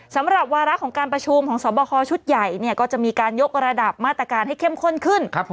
สำหรับวาระของการประชุมของสอบคอชุดใหญ่ก็จะมีการยกระดับมาตรการให้เข้มข้นขึ้น